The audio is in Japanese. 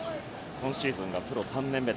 今シーズンがプロ３年目。